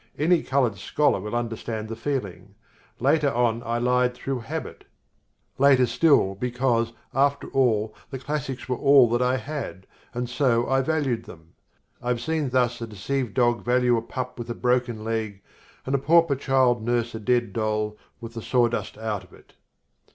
Any coloured scholar will understand the feeling. Later on I lied through habit; later still because, after all, the classics were all that I had and so I valued them. I have seen thus a deceived dog value a pup with a broken leg, and a pauper child nurse a dead doll with the sawdust out of it.